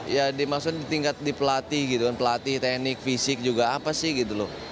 ya dimaksud di tingkat di pelatih gitu kan pelatih teknik fisik juga apa sih gitu loh